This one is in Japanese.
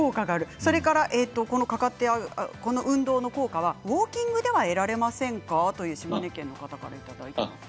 それから、かかとの運動ウォーキングでは得られませんかと島根県の方からいただきました。